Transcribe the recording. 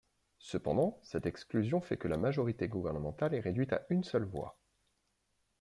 Cependant, cette exclusion fait que la majorité gouvernementale est réduite à une seule voix.